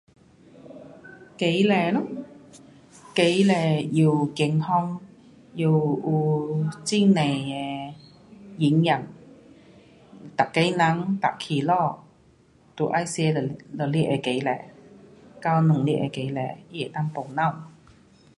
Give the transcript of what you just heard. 鸡蛋咯。鸡蛋又健康。又有很多的营养。每个人每起早就要吃一个的鸡蛋到两粒的鸡蛋，它能够补脑。